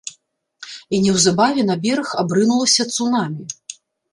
І неўзабаве на бераг абрынулася цунамі.